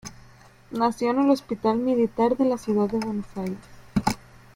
Nació en el Hospital Militar de la Ciudad de Buenos Aires.